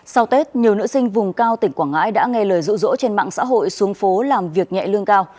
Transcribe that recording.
sau tết nhiều nữ sinh vùng cao tỉnh quảng ngãi đã nghe lời rụ rỗ trên mạng xã hội xuống phố làm việc nhẹ lương cao